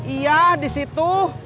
iya di situ